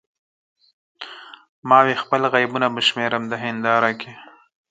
ما وې خپل عیبونه به شمیرم د هنداره کې